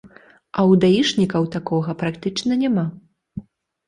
А ў даішнікаў такога практычна няма.